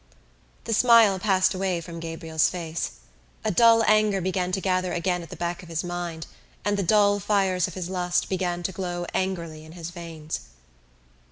The smile passed away from Gabriel's face. A dull anger began to gather again at the back of his mind and the dull fires of his lust began to glow angrily in his veins.